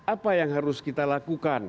apa yang harus kita lakukan